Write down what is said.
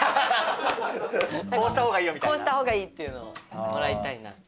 こうしたほうがいいっていうのをもらいたいなって。